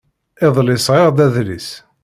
Iḍelli, sɣiɣ-d adlis.